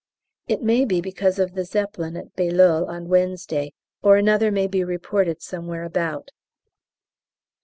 It may be because of the Zeppelin at Bailleul on Wednesday, or another may be reported somewhere about.